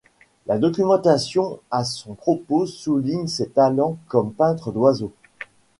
La documentation à son propos souligne ses talents comme peintre d’oiseaux.